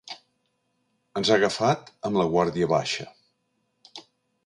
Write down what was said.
Ens ha agafat amb la guàrdia baixa.